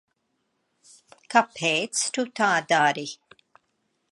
Kāpēc tu tā dari?